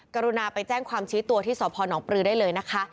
กรุณาไปแจ้งความชี้ตัวที่สพนปลือได้เลยนะคะ